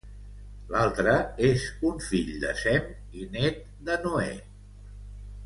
L'altre és un fill de Sem i nét de Noè.